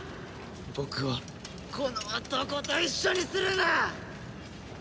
僕をこの男と一緒にするな！